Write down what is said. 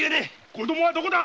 子供はどこだ！